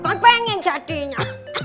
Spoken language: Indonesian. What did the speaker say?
kau pengen jadinya